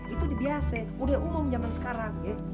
itu dibiasa udah umum jaman sekarang ya